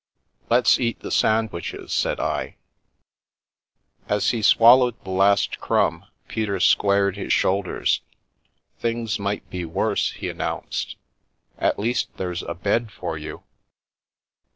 " Let's eat the sandwiches," said I. As he swallowed the last crumb, Peter squared his shoulders. " Things might be worse," he announced ;" at least, there's a bed for you."